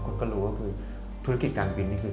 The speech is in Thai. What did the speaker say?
คุณก็รู้ทุนิกต์การบินนี่คือ